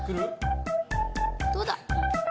どうだ。